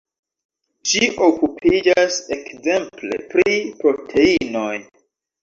Ŝi okupiĝas ekzemple pri proteinoj.